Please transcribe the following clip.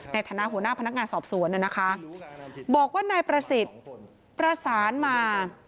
ในฐานะหัวหน้าพนักงานสอบสวนนะคะบอกว่านายประสิทธิ์ประสานมา